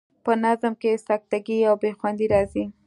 په نظم کې سکته ګي او بې خوندي راځي.